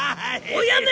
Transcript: おやめ！